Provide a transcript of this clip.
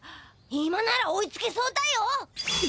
今なら追いつけそうだよ！